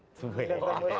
ketemu secara batin